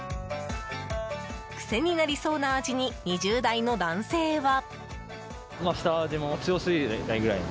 癖になりそうな味に２０代の男性は。